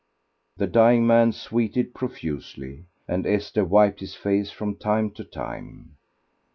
The dying man sweated profusely, and Esther wiped his face from time to time.